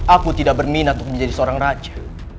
aku tidak berminat untuk menjadi seorang raja